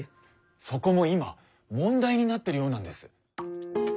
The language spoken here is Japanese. そこも今問題になってるようなんです。